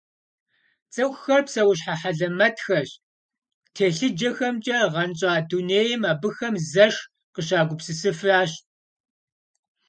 Цӏыхухэр псэущхьэ хьэлэмэтхэщ - телъыджэхэмкӏэ гъэнщӏа дунейм абыхэм зэш къыщагупсысыфащ.